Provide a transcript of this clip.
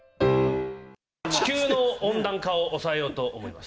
地球の温暖化を抑えようと思います。